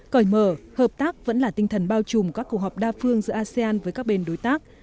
cởi mở hợp tác vẫn là tinh thần bao trùm các cuộc họp đa phương giữa asean với các bên đối tác